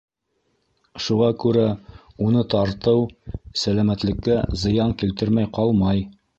Шуға күрә уны тартыу сәләмәтлеккә зыян килтермәй ҡалмай.